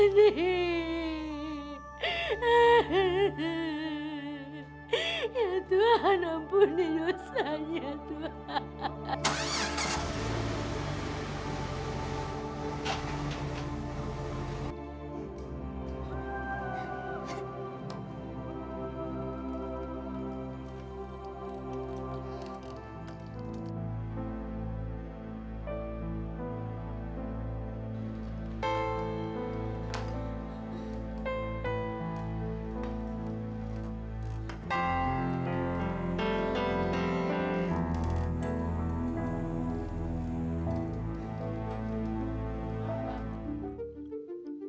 jangan sakit di tubuh lo